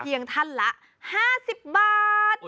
เพียงท่านละ๕๐บาท